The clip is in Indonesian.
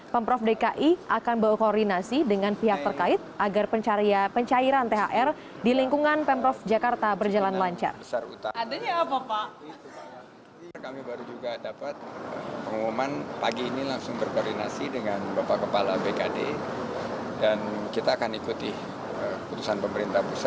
pemprov dki akan berkoordinasi dengan pihak terkait agar pencairan thr di lingkungan pemprov jakarta berjalan lancar